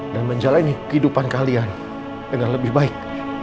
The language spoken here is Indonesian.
dan menjalani kehidupan kalian dengan lebih baik